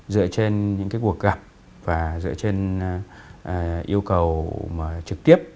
dựa trên những cuộc gặp và yêu cầu trực tiếp